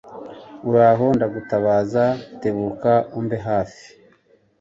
Uhoraho ndagutabaza tebuka umbe hafi